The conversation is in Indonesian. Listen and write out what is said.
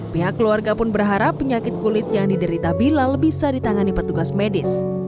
pihak keluarga pun berharap penyakit kulit yang diderita bilal bisa ditangani petugas medis